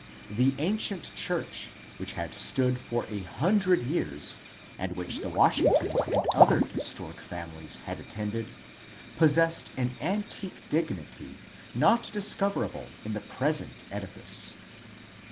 The ancient church, which had stood for a hundred years, and which the Washingtons and other historic families had attended, possessed an antique dig nity not discoverable in the present edifice.